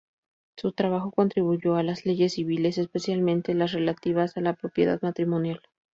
Su trabajo contribuyó a las leyes civiles, especialmente las relativas a la propiedad matrimonial.